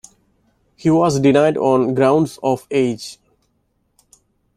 He was denied on grounds of age.